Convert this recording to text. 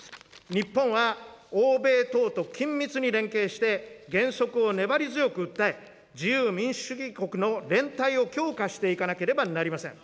日本は欧米等と緊密に連携して、原則を粘り強く訴え、自由・民主主義国の連帯を強化していかなければなりません。